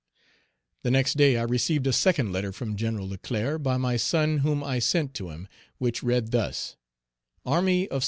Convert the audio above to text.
The next day I received a second letter from Gen. Leclerc, by my son whom I sent to him, which read thus: "ARMY OF ST.